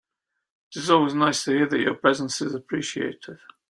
It is always nice to hear that your presence is appreciated.